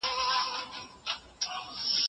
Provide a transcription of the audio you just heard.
د کریډټ لاسرسی د ودي لامل دی.